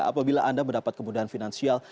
apabila anda mendapat kemudahan finansial